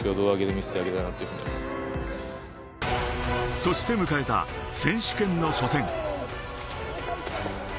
そして迎えた選手権の初戦。